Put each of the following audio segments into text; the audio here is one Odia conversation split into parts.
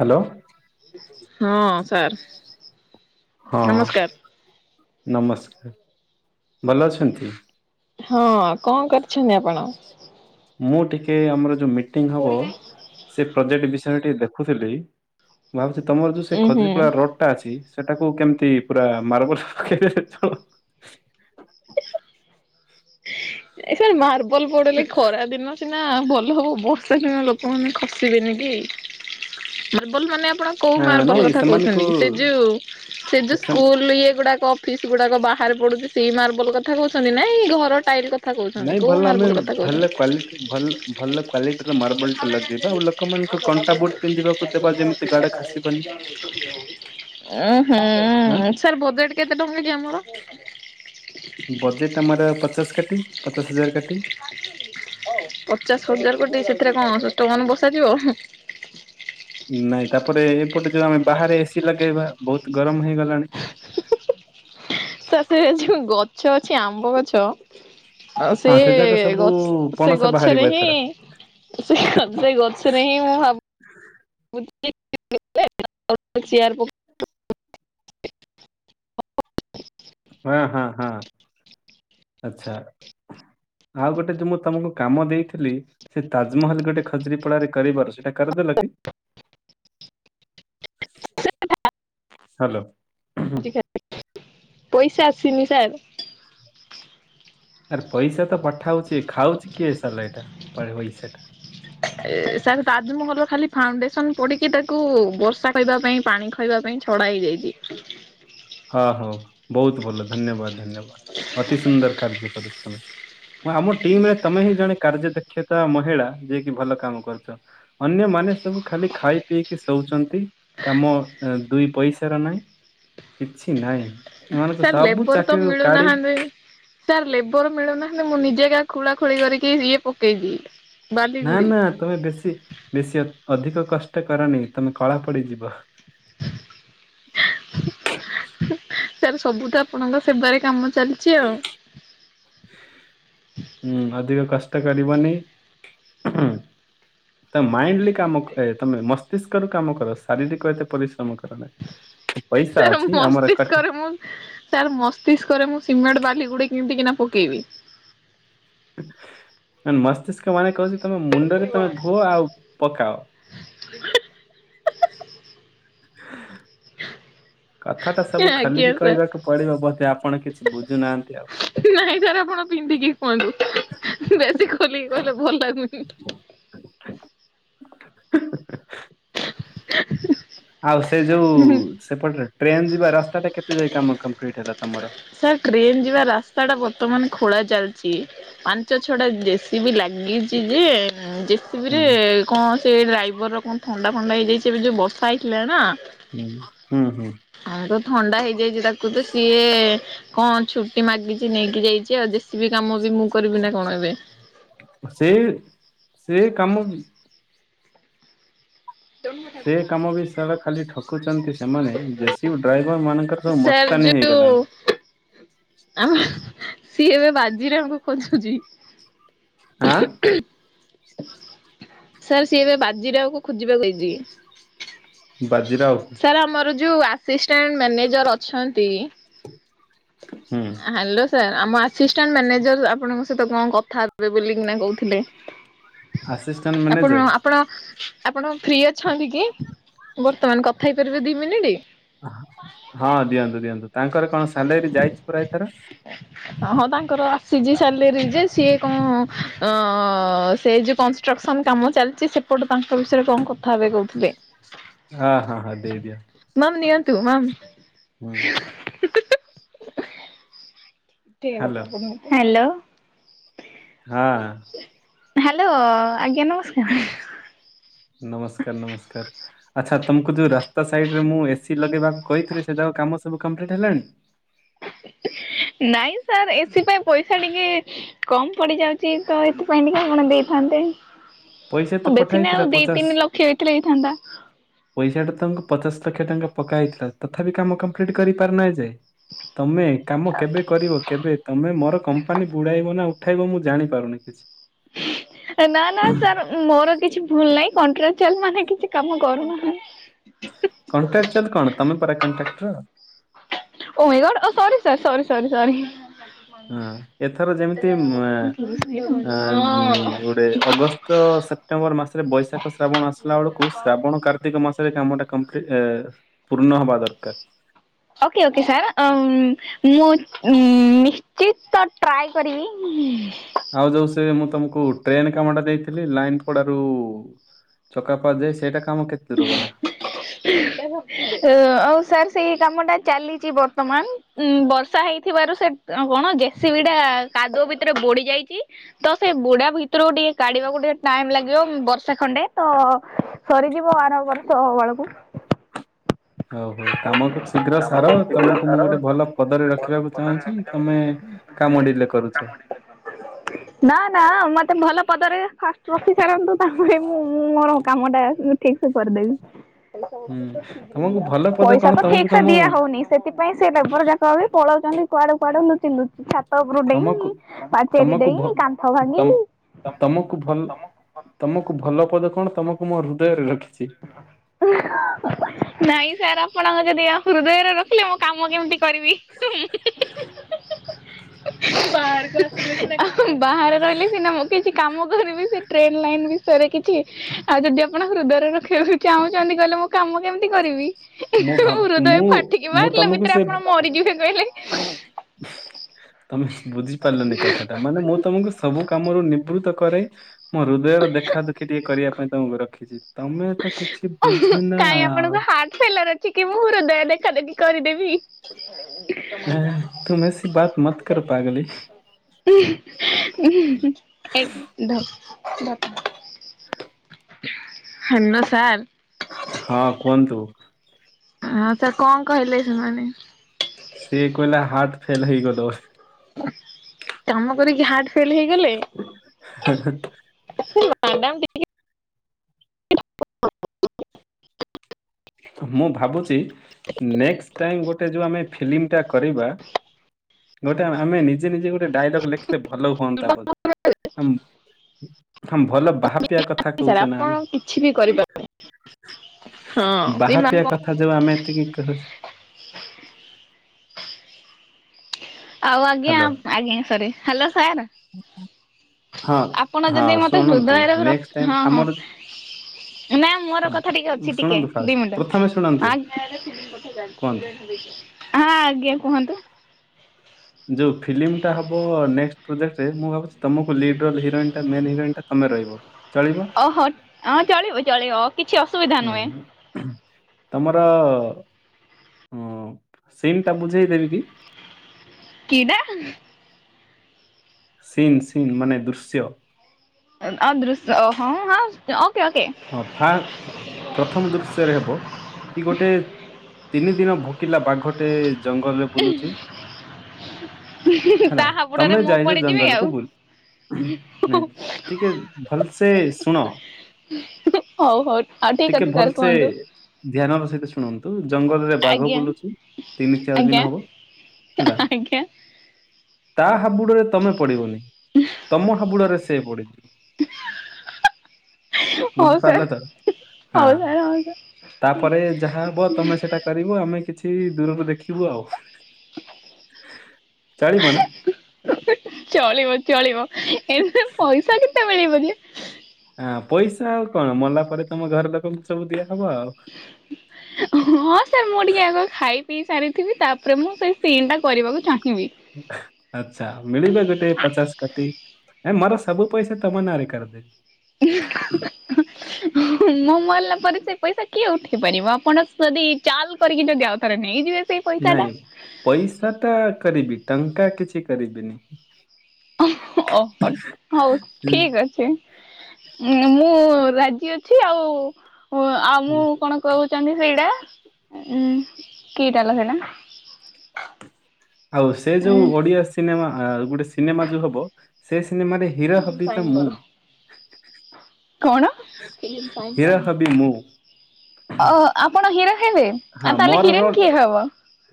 ହ୍ୟାଲୋ ହଁ ସାର୍ ହଁ ନମସ୍କାର। ନମସ୍କାର! ଭଲ ଅଛନ୍ତି? ହଁ କଣ କରିଛନ୍ତି ଆପଣ? ମୁଁ ଟିକେ ଆମର ଯୋଉ ମିଟିଂ ହବ ସେ ପ୍ରୋଜେକ୍ଟ ବିଷୟରେ ଟିକେ ଦେଖୁଥିଲି। ମୁଁ ଭାବୁଛି ତମର ଯୋଉ ସେ ଉଁ ହୁଁ। ଖଦ୍ରିପଳା ରୋଡଟା ଅଛି ସେଟାକୁ କେମିତି ପୁରା ମାର୍ବଲ ପକେଇଲେ ତଃ - ଏ ସାର୍ ମାର୍ବଲ ପଡିଲି ଖରା ଦିନ। ସିନା ଭଲ ହେବ ବର୍ଷା ଦିନ ଲୋକମାନେ ଖସିବେନି କି ମାର୍ବଲ ମାନେ ଆପଣ- କୋଉ ହଁ ମାର୍ବଲ ନାଇଁ କଥା ସେମାନଙ୍କୁ କହୁଛନ୍ତି ସେ ଯୋଉ ସେ ଯୋଉ ସ୍କୁଲ ଇଏ ଗୁଡାକ- ଫିସ୍ ଗୁଡାକ ବାହାରେ ପଡୁଛି ସେଇ ମାର୍ବଲ କଥା କହୁଛନ୍ତି ନା ଏଇ ଘର ଟାଇଲ କଥା - ନାଇଁ ଭଲ ଆମେ ଭଲ କ୍ଵା ଭଲ ଭଲ କ୍ଵାଲିଟିର ମାର୍ବଲ ଟା ଲଗେଇବା। ଲୋକମାନଙ୍କୁ କଣ୍ଟା ବୁଟ ପିନ୍ଧିବାକୁ ଦେବା ଯେମିତି ଗଡ଼ ଖସିବନି। ଉ ହଁ ହୁଁ ସାର୍ ବୋଜେଟ କେତେ ଟଙ୍କା ଆମର। ବଜେଟ ଆମର ପଚାଶ କାଟି ପଚାଶ ହଜାର କାଟି। ପଚାଶ ହଜାର କୋଟି ସେଥିରେ କଣ ଇଷ୍ଟନ ବସାଯିବ? ନାଇଁ ତାପରେ ଏପଟେ ଯୋଉ ଆମେ ବାହାରେ ଏସିି ଲଗେଇବା ବହୁତ ଗରମ ହେଇଗଲାଣି। ସାର ସେ ଯୋଉ ଗଛ ଅଛି ଆମ୍ବ ଗଛ। ଆ ସେ ହଁ ଯାକ ସବୁ ଗଛ ସେ ପଣସ ବାହାରିବ ଗଛରେ ହିଁ। ଏଥର ସେ ସେ ଗଛରେ ହିଁ ମୁଁ ଭାବୁ ଚେୟ ପ [unintelligible] ହଁ ହଁ ହଁ ଆଚଛା ଆଉ ଗୋଟେ ଯ ମୁଁ ତମକୁ କାମ ଦେଇଥିଲି? ସେ ତାଜମହଲ ଗୋଟେ ଖଜୁରରି ପଡାରେ କରିବାର ସେଇଟା କରିଦେଲ କି? [inaudible] ହ୍ୟାଲୋ ା ପଇସା ଆସିନି ସାର୍ [unintelligible] ଆରେ ପଇସା ତ ପଠାଉଛି। ଖାଉଛି କିଏ ସାରିଲା ଏଇଟା ପଇସା ଟା? ହଁ ଏ ସାର୍ ତାଜମହଲର ଖାଲି ଫାଉଣ୍ଡେସନ ପଡିକି ତାକୁ ବର୍ଷା କହ ପାଇଁ ପାଣି ଖାଇବା ପାଇଁ ଛଡ଼ା ହେଇଯାଇଛି। ହଁ ହଉ ବହୁତ ଭଲ ଧନ୍ୟବାଦ ଧନ୍ୟବାଦ ଅତି ସୁନ୍ଦର କାର୍ଯ୍ୟ କରୁଛ ତମେ। ହଁ ଆମ ଟିମ ରେ ତମେ ହିଁ ଜଣେ କାର୍ଯ୍ୟ ଦକ୍ଷତା ମହିଳା ଯିଏକି ଭଲ କାମ କରୁଛ। ଅନ୍ୟମାନେ ସବୁ ଖାଲି ଖାଇ ପିଇକି ଶୋଉଛନ୍ତି। କାମ ଦୁଇ ପଇସା ର ନାହିଁ। କିଛି ନାହିଁ। ଏମାନଙ୍କୁ ସାର୍ ସବୁ ଲେବର ତ ଚାକିରିରୁ କାଢି ମିଳୁନାହାନ୍ତି। ସାର୍ ଲେବର ମିଳୁନାହାନ୍ତି ମୁଁ ନିଜେ କା ଖୋଳା ଖୋଳି କରିକି ଇଏ ପକେଇଦିଏ। ନା ନା ତମେ ବେଶୀ ବେଶୀ ଅଧି-ଅଧିକ କଷ୍ଟ କରନି ତମେ କଳା ପଡିଯିବ। [inaudible] ସାର୍ ସବୁ ତ ଆପଣଙ୍କ ସେବାରେ କାମ ଚାଲିଛି ଆଉ। [inaudible] ହୁଁ ଅଧିକ କଷ୍ଟ କରିବନି ହଁ। ତ ମାଇଣ୍ଡଲି କାମ ତମେ ମସ୍ତିଷ୍କ ର କାମ କର ଶାରୀରିକ ଏତ ପରିଶ୍ରମ କର ନା ପଇସା ସାର୍ ଅଛି ଆମର ମସ୍ତିଷ୍କରେ ମୁଁ ସାର୍ ମସ୍ତିଷ୍କରେ ମୁଁ ସିମେଣ୍ଟ ବାଲି ଗୁଡେ କେମିତି କିିନା ପକେଇବି। ମ ମସ୍ତିଷ୍କ ମାନେ କହୁଛି ତମ ମୁଣ୍ଡରେ ତମେ ଭୁଅ ଆଉ ପକାଅ। [inaudible] କଥାଟା ସବୁ ଆଜ୍ଞା ଖାଲିକି ସାର୍ କହିବାକୁ ପଡିବ ବୋଧେ ଆପଣ କିଛି ବୁଝୁନାହାନ୍ତି ଆଉ। ନାଇଁ ସାର୍ ଆପଣ ପିନ୍ଧିକି କୁହନ୍ତୁ ବେଶୀ ଖୋଲିକି କହିଲେ ଭଲ ଲାଗୁନି। [inaudible] ଆଉ ସେ ଯୋଉ ସେପଟ ଟ୍ରେନ ଯିବା ରାସ୍ତା ଟା କେତେ ଯାଇ କାମ କମ୍ପଲିଟ ହେଲା ତମର? ସାର୍ ଟ୍ରେନ ଯିବା ରାସ୍ତା ଟା ବର୍ତ୍ତମାନ ଖୋଳା ଚାଲିଛି। ପାଞ୍ଚ ଛଟା ଜେସିବି ଲାଗିଚ ଯେ ଜେସିବି ହୁଁ ରେ କଣ ସେଇ ଡ୍ରାଇଭର କଣ ଥଣ୍ଡା ଫଥଣ୍ଡା ହେଇଯାଇଛି ଏବେ ଯୋଉ ବସା ହେଇଥିଲା ନା। ହୁଁ ହୁଁ। ଆଉ ତ ଥଣ୍ଡା ହେଇଯାଇଛି ତାକୁ ତ ସିଏ କଣଛୁ ମାଗିଛି ନେଇକି ଯାଇଛି ଆଉ ଦେଶୀ ବି କାମ ବି ମୁଁ କରିବି ନା କଣ ଏବେ। ସେଇ ସେଇ କାମ ସେ କାମ ବିଷୟ ଖାଲି ଠକୁଛନ୍ତି ସେମାନେ। ଜ ସିବ ଡ୍ରାଇଭର ମାନଙ୍କର ସବୁ ସାର୍ ମସ୍ତାନୀ ଯୋଉ ହେଇଗଲାଣି। ଆମ ସିଏ ଏବେ ବାଜିରେ ଆମକୁ ଖୋଜୁଛି। ଆଁ? ସାର୍ ସିଏ ଏବେ ବାଜିବାକୁ ଖୋଜିବାକୁ ଯାଉଚି। ବାଜିରା ସାର୍ ଆମର ଯୋଉ ଆସିଷ୍ଟାଣ୍ଟ ମ୍ୟାନେଜର ଅଛନ୍ତି ହୁଁ। ହ୍ୟାଲୋ ସାର୍ ଆମ ଆସିଷ୍ଟାଣ୍ଟ ମ୍ୟାନେଜର ଆପଣଙ୍କ ସହିତ କଣ କଥା ହେବେ ବୋଲିକିନା କହୁଥିଲେ। ଆସିଷ୍ଟାଣ୍ଟ ମ୍ୟାନେଜର ଆପଣ ଆପଣ ଆପଣ ଫ୍ରି ଅଛନ୍ତି କି ବର୍ତ୍ତମାନ କଥା ହେଇପାରିବେ ଦି ମିନିଟ୍? ହଁ ଦିଅନ୍ତୁ ଦିଅନ୍ତୁ ତାଙ୍କର କଣ ସାଲେରୀ ଯାଇଛି ପୁରା ଏଥର? [inaudible] ହଁ ତାଙ୍କର ଆସିଛି ସାଲେରୀ ଯେ ସିଏ କଣ ଅ ସେ ଯୋଉ କ ଚାଲିଛି ସେପଟ ତାଙ୍କ ବିଷୟରେ କଣ କଥାବେ କହୁଥିବେ। ହଁ ହଁ ହଁ ଦେଇ ଦେଇଦିଅ। ମାଁ ନିଅନ୍ତୁ ମାମ୍। [inaudible] [inaudible] Hello hello. ହଁ। ହ୍ୟାଲୋ ଆଜ୍ଞା ନମସ୍କାର। ନମସ୍କାର ନମସ୍କାର ଆଚ୍ଛା ତମକୁ ଯୋଉ ରାସ୍ତା ସାଇଡ ରେ ମୁଁ ଏସି ଲଗେଇବା କହିଥିଲେ ସେ ଯାକ କାମ ସବୁ କମ୍ପ୍ଲିଟ୍ ହେଲାଣି? ନାଇଁ ସାର୍ ଏଥିପାଇଁ ପଇସା ଟିକେ କମ୍ ପଡ଼ିଯାଉଛି ତ ଏଥିପାଇଁ ଟିକେ ଆପଣ ଦେଇଥାନ୍ତେ ପଇସା ତ ପଠା ବେଶୀ ନାହିଁ ହେଇଥିଲା ଆଉ ଦି ପଚାଶ। ତିନି ଲକ୍ଷ ହେଇଥିଲେ ହେଇଥାନ୍ତା। ପଇସା ଟା ତମକୁ ପଚାଶ ଲକ୍ଷ ଟଙ୍କା ପକା ହେଇଥିଲା ତଥାପି କାମ କମ୍ପ୍ଲିଟ୍ କରିପାରୁନ ଏ ଯାଏଁ। ତମେ କାମ କେବେ କରିବ କେବେ? ତମେ ମୋର କମ୍ପାନୀ ବୁଡ଼ାଇବ ନା ଉଠାଇବ ମୁଁ ଜାଣିପାରୁନି କିଛି। ଏ ନା ନା ସାର୍ ମୋର କିଛି ଭୁଲ୍ ନାହିଁ କଣ୍ଟ୍ରା ଚାଲ୍ ମାନେ କିଛି କାମ କରୁନାହାନ୍ତି। କଣ୍ଟ୍ରାଚଦ୍ କଣ ତମେ ପରା କଣ୍ଟ୍ରାକ୍ଟର୍। ଓ ମାଇ ଗଡ୍ ଓ ସରି ସାର୍ ସରି ସରି ସରି। ଉଁ ଏଥର ଯେମିତି ମାଁ ଆଁ ଦ୍ ଗୋଟେ ଅଗଷ୍ ସେପ୍ଟେମ୍ବର ମାସରେ ବୈଶାଖ ଶ୍ରାବଣ ଆସିଲା ବେଳକୁ ଶ୍ରାବଣ କାର୍ ତିକ ମାସରେ କାମଟା କମ୍ପ୍ ଲି ପୂର୍ଣ୍ଣ ହବା ଦରକାର୍। ଓକେ ଓକେ ସାର୍ ଅମ୍ ମୁଁ ନିଶ୍ଚିତ ଟ୍ରାଏ କରିବି। ଆଉ ଯୋ ସେ ମୁଁ ତମକୁ ଟ୍ରେନ କାମ ଟା ଦେଇଥିଲି ଲାଇନ୍ଥ୍ ପଡ଼ାରୁ। ଚକାପ ଯାଏ ସେଇଟା କାମ କେତେ ଦୂର ଗଲା? ହ ହ ଆଉ ସାର୍ ସେଇ କାମ ଟା ଚାଲିଚି ବର୍ତ୍ତମାନ ଉଁ ବର୍ଷା ହେଇଥିବାରୁ ସେ ଅ କଣ ଜେସିବି ଟା କାଦୁଅ ଭିତରେ ବୋଡି଼ ଯାଇଚି‌। ତ ସେ ବୋଡ଼ା ଭିତରୁକୁ ଟିକେ କାଡ଼ିବାକୁ ଟିକେ ଟାଇମ୍ ଲାଗିବ ବର୍ଷା ଖଣ୍ଡେ ତ ସରିଯି ହୋଉ ଆର ବର୍ଷ ବେଳକୁ। ହଉ ହଉ କାମକୁ ଶୀଘ୍ର ସାର ତମକୁ ମୁଁ ଗୋଟେ ଭଲ ପଦରେ ରଖିବାକୁ ଚାହୁଁଛି ତମେ କାମ ଡିିଲେ କରୁଚ। ହ ନା ନା ମତେ ଭଲ ପଦରେ ଫାଷ୍ଟ୍ ରଖି ସାରନ୍ତୁ ତାପରେ ମୁଁ ମୁଁ ମୋର କାମଟା ଠିକ୍ ସେ କରିଦେବି। ହୁଁ ତମକୁ ଭଲ ପଦ କଣ ପଇସା ତ ତମକୁ ଠିକ୍ ସେ ତମ ଦିଆ ହୋଉନି ସେଥିପାଇଁ ସେ ଲେବର ଯା କ ବି ପଳଉଚନ୍ତି କୁଆଡ଼େ କୁଆଡ଼େ ଲୁଚି ଲୁଚି ଛା ତ ଉପୁରୁ, ତମକୁ ଡେଇଁ, ପାଚେରି ତମକୁ ଭ ଡେଇଁ, କାନ୍ଥ ଭାଙ୍ଗି। ତମ ତମକୁ ଭଲ୍ ତମକୁ ଭଲ ପଦ କଣ ତମକୁ ମୋ ହୃଦୟରେ ରଖିଛି। ନାଇଁ ସାର୍ ଆପଣ ଆ ଯଦି ହୃଦୟରେ ରଖିଲେ ମୋ କାମ କେମିତି କରିବି [unintelligible] ହୁଁ ବାହାରେ ରହିଲେ ସିନା ମୁଁ କିଛି କାମ କରିବି ସେ ଟ୍ରେନ୍ ଲାଇନ୍ ବିଷୟରେ କିଛି ଆଉ ଯଦି ଆପଣ ହୃଦୟରେ ର [unintelligible] ଚାହୁଁଛନ୍ତି କହିଲେ ମୁଁ କାମ କେମିତି କରିବି? ମୁଁ ଭାବ ହୃଦୟ ମୁଁ ଫାଟିକି ମୁଁ ବାହାରିଲେ ତମକୁ ଭିତରେ ସେ ଆପଣ ମରିଯିବେ କହିଲେ। ତମେ ବୁଝିପାରିଲନି କଥା ଟା ମାନେ ମୁଁ ତମକୁ ସବୁ କାମରୁ ନିବୃତ୍ତ କରେ। ମୁଁ ହୃଦୟର ଦେଖା ଦେଖି ଟିକେ କରିବା ପାଇଁ ତମକୁ ରଖିଛି ତମେ ତା କିଛି ବୁଝୁନ ଆଉ। ପିଲା ରଖିକି ମୁଁ ହୃଦୟା ଦେଖା ଦେଖି କରିଦେବି। ହେଁ ତୁମ୍ ଏସି ବାତ୍ ମତ୍ କରୋ ପାଗ୍ ଲି। ଏ ଧ ହାନୋ ସାର୍। ହଁ କୁହନ୍ତୁ। ହଁ ତ କଣ କହିଲେ ସେମାନେ? ସିଏ କହିଲା ହାର୍ଟ୍ ଫେଲ୍ ହେଇଗଲ। କାମ କରିକି ହାର୍ଟ୍ ଫେଲ୍ ହେଇଗଲେ। ହଁ ହଁ। ସେ ମାଡାମ୍ ଟିକେ [inaudible] ମୁଁ ଭାବୁଛି ନେକ୍ସଟ। କ୍ରାଇମ ଗୋଟେ ଯୋଉ ଆମେ ଫିଲ୍ମ ଟା କରିବା ଗୋଟେ ଆମେ ନିଜେ ନିଜେ ଗୋଟେ ଡାଇଲଗ ଲେଖି ଟିକେ ଭଲ ହୁଅନ୍ତା ବୋଧେ। ହ ଭଲ ବାହାପିଆ କଥା ସାର୍ କହୁଛେ ନା ଆପଣ ଆମେ। କିଛି ବି କରିପାର ହଁ ଏଇ ମ୍ୟାମ୍ ବାହାପିଆ କଣ କଥା ଯୋଉ ଆମେ ଏତିକି କହୁଛେ। ଆଉ ଆଜ୍ଞା ହ୍ୟାଲୋ ଆଜ୍ଞା ସରି ହ୍ୟାଲୋ ସାର୍। ହଁ ଆପଣ ହଁ ଯଦି ମତେ ଶୁଣନ୍ତୁ ହୃଦୟରେ ର ନେକ୍ସଟ୍ ଟାଇମ୍ ହଁ ହଁ। ଆମର ନା ମୋର କଥା ଟିକେ ଅଛି ଟିକେ ଶୁଣନ୍ତୁ ଫାଷ୍ଟ ଦି ମିନିଟ। ପ୍ରଥମେ ଶୁଣନ୍ତୁ ହଁ କୁହନ୍ତୁ ଆଜ୍ଞା କୁହନ୍ତୁ। ଯୋଉ ଫିଲ୍ମ ଟା ହବ ନେଷ୍ଟ ପ୍ରୋଜେକ୍ରେ ମୁଁ ଭାବୁଛି। ତମକୁ ଲିଡ ରଲ ହିରୋଇନ ଟା ମେ ହିରୋଇନ୍ ଟା ତମେ ରହିବ ଚଳିବ? ଓହୋ ହଁ ଚଳିବ ଚଳିବ କିଛି ଅସୁବିଧା ନୁହେଁ। ହୁଁ ତମର ଉଁ ସିନ୍ ଟା ବୁଝେଇଦେବି କି। କି ଟା। ସିନ୍ ସିନ୍ ମାନେ ଦୃଶ୍ୟ। ଆଉ ଦୃଶ୍ୟ ହଁ ହଁ ଓକେ ଓକେ। ଅର୍ଥାତ। ପ୍ରଥମ ଦୃଶ୍ୟରେ ହେବ କି ଗୋଟେ ତିନି ଦିନ ଭୋକିଲା ବାଘଟେ। ଜଙ୍ଗଲରେ ବୁଲୁଚି। ହେଲା ତା ହାବୁଡରେ ତମେ ମୁଁ ଯାଇଚ ପଡିଯିବି ଆଉ ଜଙ୍ଗଲକୁୁ ବୁଲି। ନାଇଁ ଟିକେ ଭଲସେ ଶୁଣ। ହଉ ହଉ ଆଉ ଠିକ ଟିକେ ଅଛି ତାରେ ଭଲସେ କୁହନ୍ତୁ। ଧ୍ୟାନର ସହିତ ଶୁଣନ୍ତୁ। ତୁ ଜଙ୍ଗଲରେ ବାଘ ଆଜ୍ଞା ବୁଲୁଚୁ ତିନି ଚାରି ଆଜ୍ଞା ଦିନ ହବ ହେଲା। ଆଜ୍ଞା ତା ହାବୁଡରେ ତମେ ପଡିବନି ତମ ହାବୁଡରେ ସେ ପଡିଯିବ। ହଉ ସାର୍ ବୁଝିପାରିଲ ତ ହଁ ହଉ ସାର୍ ହଉ ସାର୍ ତାପରେ ଯାହା ହବ ତମେ ସେଟା। ପାରିବୁ ଆମେ କିଛି ଦୂରକୁ ଦେଖିବୁ ଆଉ। ଚଳିବ ନା? ଚଳିବ ଚଳିବ ଏଥୀରେ ପଇସା କେତେ ମିଳିବ ଯେ। ହଁ ପଇସା ଆଉ କଣ ମଲା ପରେ ତମ ଘରେ ଲୋକଙ୍କୁ ସବୁ ଦିଆହବ ଆଉ। ହଁ ସାର୍ ମୁଁ ଟିକେ ଆଗ ଖାଇ ପିଇ ସାରିଥିବି ତାପରେ ମୁଁ ସେଇ ସିନ୍ ଟା କରିବାକୁ ଚାହିଁବି। ଆଚ୍ଛା ମିଳିବ ଗୋଟେ ପଚାଶ। ତି ଏ ମର ସବୁ ପଇସା ତମ ନାରେ କରିଦେ ମୁଁ ମରିଲା ପରେ ସେ ପଇସା କିଏ ଉଠେଇ ପାରିବ ଆପଣ ଯଦି ଚାଲ। କରିକ କିି ଯଦି ଆଉ ଥରେ ନେଇଯିବେ। ସେଇ ପଇସା ଟା ନାଇଁ ପଇସା ଟା କରିବି ଟଙ୍କା କିଛି କରିବିନି। ଓହୋ ହଉ ଠିକ ଅଛି। ମୁଁ ରାଜି ଅଛି ଆଉ ଆଉ ହୁଁ ମୁଁ କଣ। କହୁଛନ୍ତି ସେଇଟା ଉଁ କିଟାଲ ସେଇଟା। ଆଉ ସେ ଉଁ ଯୋଉ ଓଡିଆ ସିନେମା ଗୋଟେ ସିନେମା ଯୋଉ ହବ ସେ ସିନେମାରେ। ହିରୋ ହବି ସାଇନ୍ ତ କର। ମୁଁ। କଣ? ହିରୋ ହବି ମୁଁ ଅ ହ ଆପଣ ହିରୋ ହେବେ? ହଁ ଆଉ ତାହେଲେ ମୋର ହିରୋଇନ ରୋଲ କିଏ ହବ?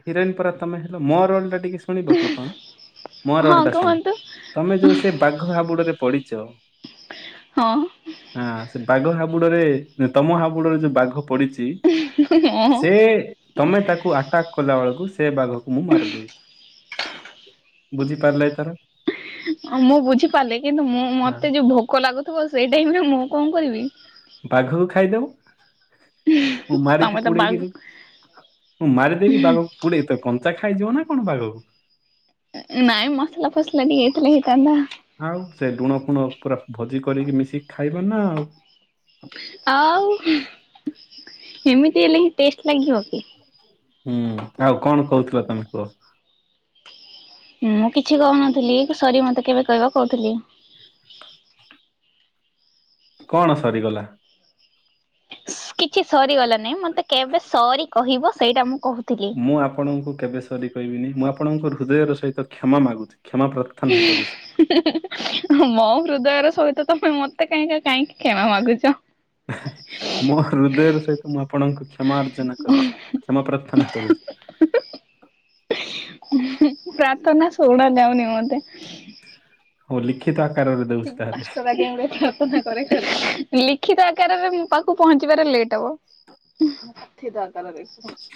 ହିରୋଇନ ପରା ତମେ ହେଲ ମୋ ରୋଲ ଟା ଟିକେ ଶୁଣିବ କି କଣ ମୋର ହଁ ରୋଲଟା ଶୁଣ କୁହନ୍ତୁ ତମେ ଯୋଉ ସେ ବାଘ ହାବୁଡରେ ପଡିଚ। ହଁ। ହଁ ସେ ବାଘ ହାବୁଡରେ ତମ ହାବୁଡରେ ଯୋଉ ବାଘ ପଡିଚି। ସେ ହଁ ତମେ ତାକୁ ଆଟାକ୍ କଲା ବେଳକୁ ସେ ବାଘକୁ ମୁଁ ମାରିଦେବି ବୁଝିପାରିଲେ ଏଥର। ଅଁ, ମୁଁ ବୁଝିପାରିଲି କିନ୍ତୁ ମୁଁ ହଁ ମୋତେ ଯୋଉ ଭୋକ ଲାଗୁଥୁବ ସେଇ ଟାଇମ୍ ରେ ମୁଁ କଣ କରିବି? ବାଘକୁ ଖାଇଦବ। ଓ ତମେ ମାରିକି ତ ବା ପୁଡେଇକିରି। ମୁଁ ମାରିଦେବି ବାଘକୁ ପୁଡେଇ ତ କଞ୍ଚା ଖାଇଯିବ ନା କଣ ବାଘକୁ? ଏ ନାଇଁ ମସଲା ଫସଲା ଟିକେ ହେଇଥିଲେ ହେଇ ଥାଆନ୍ତା। ଆଉ ସେ ଲୁଣ ଫୁଣ ପୁରା ଭୋଜି କରିକି ମିଶିକି ଖାଇବ ନା ଆଉ। ଆଉ ଏମିତି ହେଲେ ହିଁ ଟେଷ୍ଟ ଲାଗିବ କି? ହୁଁ, ଆଉ କଣ କହୁଥୁଲ ତୋମେ କୁହ? ମୁଁ କିଛି କହୁନଥିଲି କି ସରି ମୋତେ କେବେ କହିବ କହୁଥିଲି। କଣ ସରିଗଲା? କିଛି ସରିଗଲା ନାହିଁ। ମୋତେ କେବେ ସରି କହିବ ସେଇଟା ମୁଁ କହୁଥିଲି? ମୁଁ ଆପଣଙ୍କୁ କେବେ ସରି କହିବିନି ମୁଁ ଆପଣଙ୍କ ହୃଦୟର ସହିତ କ୍ଷମା ମାଗୁଛି। କ୍ଷମା ପ୍ରା ମୋ ହୃଦୟର ସହିତ ତୋମେ ମୋତେ କାହିଁକ କାହିଁକି କ୍ଷମା ମାାଗୁଚ। ମୋ ହୃଦୟର ସହିତ ମୁଁ ଆପଣଙ୍କୁ କ୍ଷମା ଅର୍ଚ୍ଚନା କରୁଛି। କ୍ଷମା ପ୍ରାର୍ଥନା କରୁଛି। ପ୍ରାର୍ଥନା ଶୁଣା ଯାଉନି ମୋତେ। ଓ ଲିଖିତ ଆ ହୁଁ, ପାନ୍ସ ଟଙ୍କା କେ [unintelligible] ଲିଖିତ ଆକାରରେ ମୋ ପାଖକୁ ପହଞ୍ଚିବାରେ ଲେଟ୍ ହବ। [unintelligible] ଦରକାର [unintelligible]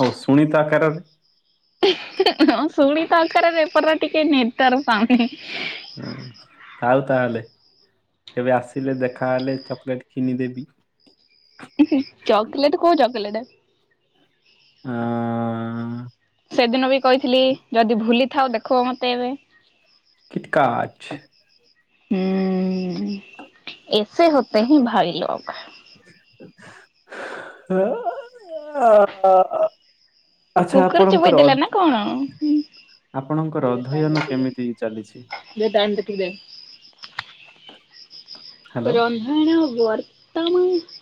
ହଉ ଶୁଣିତ ଆକାରରେ? ହଁ ଶୁଣି ତାଙ୍କର ରେପରୁଆ ଟିକେ ନେଟୱାର୍କ ପାଉନି। ହଁ ଆଉ ତାହେଲେ କେବେ ଆସିଲେ ଦେଖାହେଲେ ଚକୋଲେଟ୍ କିନିଦେବି। ଚକୋଲେଟ୍ କୋଉ ଚକୋଲେଟେ? ଅଁ, ସେଦିନ ବି କହିଥିଲି ଯଦି ଭୁଲି ଥାଅ ଦେଖ ମୋତେ ଏବେ। କିଟକାଚ। ହୁଁ, ଏସେ ହତେ ହେଁ ଭାଇ ଲୋଗ। ହେ ଆ ଆଚ୍ଛା କୁକୁର ଚୋବେଇ ଆପଣଙ୍କର ଅ ଦେଲା ନା କଣ ହୁଁ? ଆପଣଙ୍କର ଅଧ୍ୟୟନ କେମିତି ଚାଲିଛି? ଦେ ଟାଇମ ଦେଖିଦେ। ହାଲ ରନ୍ଧଣ ବର୍ତ୍ତମାନ